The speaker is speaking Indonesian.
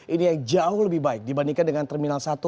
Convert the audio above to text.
ini yang jauh lebih baik dibandingkan dengan terminal satu